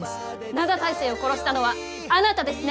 灘大聖を殺したのはあなたですね？